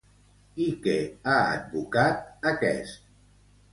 I què ha advocat aquest?